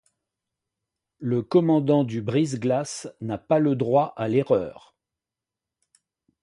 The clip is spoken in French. Le commandant du brise-glace n'a pas le droit à l'erreur.